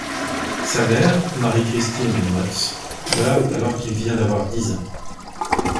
Sa mère, Marie-Christine de Motz, meurt alors qu'il vient d'avoir dix ans.